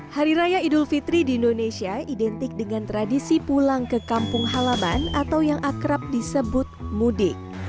hari raya idul fitri di indonesia identik dengan tradisi pulang ke kampung halaman atau yang akrab disebut mudik